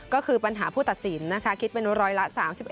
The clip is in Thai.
ก็คือปัญหาผู้ตัดสินคิดเป็นว่าร้อยละ๓๑๐๘